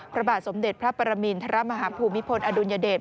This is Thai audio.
พระบาทสมเด็จพระปรมินทรมาฮภูมิพลอดุลยเดช